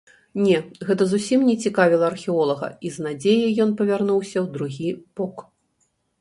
Не, гэта зусім не цікавіла археолага, і з надзеяй ён павярнуўся ў другі бок.